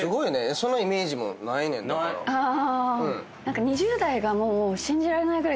そのイメージもないねんだから。